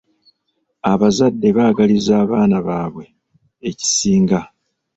Abazadde baagaliza abaana baabwe ekisinga.